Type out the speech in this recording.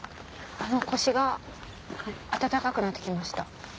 腰が温かくなってきました。